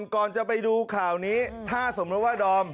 ก่อนจะไปดูข่าวนี้ถ้าสมมุติว่าดอม